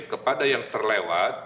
kepada yang terlewat